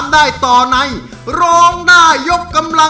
น้องไมโครโฟนจากทีมมังกรจิ๋วเจ้าพญา